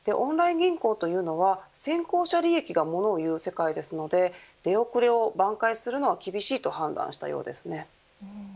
オンライン銀行というのは先行者利益がものをいう世界ですので出遅れを挽回するのは厳しいと判断したようですね。